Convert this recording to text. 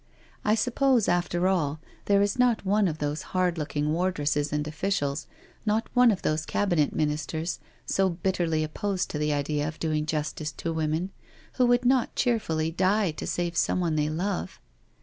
I suppose, after all, there is not one of those hard^looking wardresses and officials, not one of those Cabinet Ministers so bitterly opposed to the idea of doing justice to women, who would not cheer fully die to save someone they love."